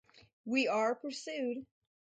We are pursued.